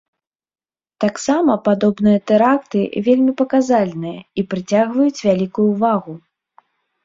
Таксама падобныя тэракты вельмі паказальныя і прыцягваюць вялікую ўвагу.